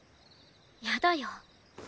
やだよ。